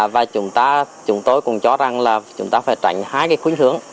và chúng tôi cũng cho rằng là chúng ta phải tránh hai cái khuyến hướng